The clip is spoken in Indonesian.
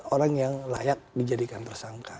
orang yang layak dijadikan tersangka